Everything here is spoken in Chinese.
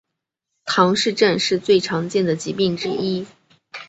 唐氏症是最常见的疾病之一。